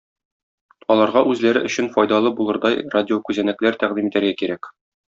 Аларга үзләре өчен файдалы булырдай радиокүзәнәкләр тәкъдим итәргә кирәк.